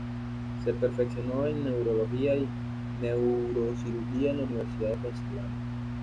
Se perfeccionó en neurología y neurocirugía en la Universidad de Pensilvania.